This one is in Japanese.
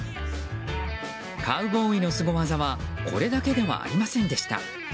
カウボーイのスゴ技はこれだけではありませんでした。